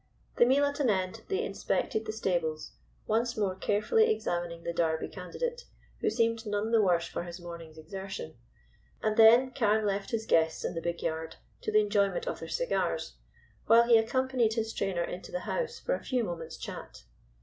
The meal at an end, they inspected the stables, once more carefully examining the Derby candidate, who seemed none the worse for his morning's exertion, and then Carne left his guests in the big yard to the enjoyment of their cigars, while he accompanied his trainer into the house for a few moments' chat.